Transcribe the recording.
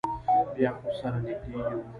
بیا خو سره نږدې یو.